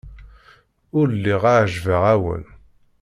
Ur lliɣ ɛejbeɣ-awen.